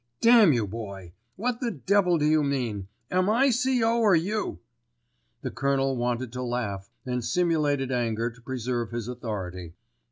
"Damn you, Boy, what the devil do you mean? Am I C.O. or you?" The Colonel wanted to laugh and simulated anger to preserve his authority.